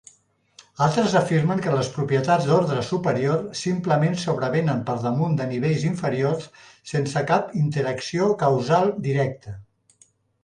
Altres afirmen que les propietats d'ordre superior simplement sobrevenen per damunt de nivells inferiors sense cap interacció causal directa.